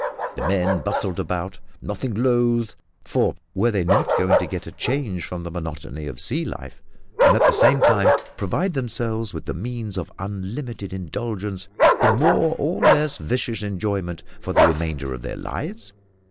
The men bustled about, nothing loth for were they not going to get a change from the monotony of sea life, and, at the same time, provide themselves with the means of unlimited indulgence in more or less vicious enjoyment for the remainder of their lives?